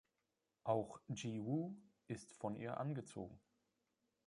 Auch Ji-woo ist von ihr angezogen.